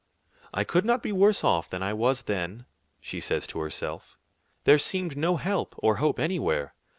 "I could not be worse off than I was then," she says to herself. "There seemed no help or hope anywhere.